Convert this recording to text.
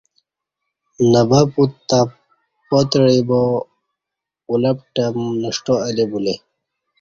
نہ با پت تہ پاتعی با ا لپ ٹم نݜٹا اہ لی بولے